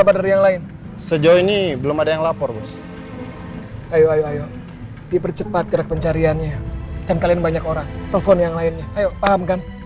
baik saya permisi pak